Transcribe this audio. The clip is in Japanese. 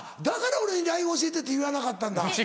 だから俺に「ＬＩＮＥ教えて」って言わなかったんだ。